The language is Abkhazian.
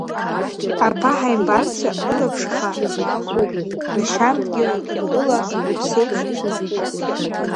Аԥаҳаимбарцәа рылаԥш хаа ҳхуп, ршьам дгьыл, ртәыла, рыԥсеиԥш ирҭахуп.